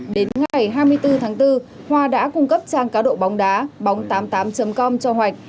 đến ngày hai mươi bốn tháng bốn hoa đã cung cấp trang cá độ bóng đá bóng tám mươi tám com cho hoạch